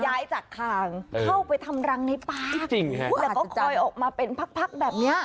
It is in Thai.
ย้ายจากคางเข้าไปทำรังในป่าจริงฮะแล้วก็คอยออกมาเป็นพักพักแบบเนี้ย